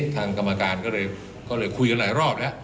ทางกรรมการก็เลยคุยกันหลายรอบแล้ว